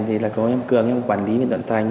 thì là có em cường em quản lý bên tuận thành